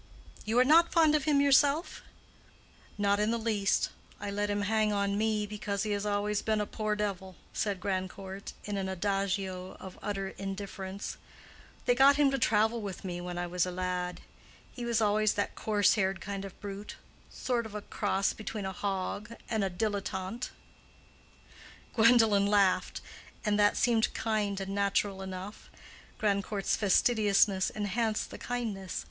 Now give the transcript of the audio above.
"You are not fond of him yourself?" "Not in the least. I let him hang on me because he has always been a poor devil," said Grandcourt, in an adagio of utter indifference. "They got him to travel with me when I was a lad. He was always that coarse haired kind of brute—sort of cross between a hog and a dilettante." Gwendolen laughed. All that seemed kind and natural enough: Grandcourt's fastidiousness enhanced the kindness.